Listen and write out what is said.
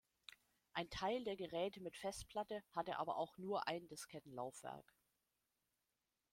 Ein Teil der Geräte mit Festplatte hatte aber auch nur ein Diskettenlaufwerk.